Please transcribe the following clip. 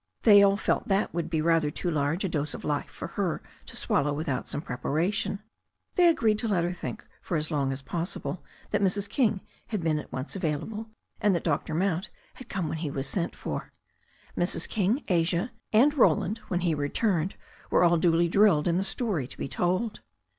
They all felt that would be rather too large a dose of life for her to swallow without some preparation. They agreed to let her think for as long as possible that Mrs. King had been at once available, and that Dr. Motmt THE STORY OF A NEW ZEALAND RIVER 91 had come when he was sent for. Mrs. King, Asia, and Roland, when he returned, were all duly drilled in the story to be told.